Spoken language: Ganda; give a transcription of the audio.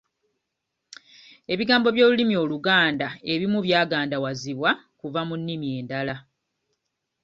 Ebigambo by'olulimi Oluganda ebimu byagandawazibwa kuva mu nnimi endala.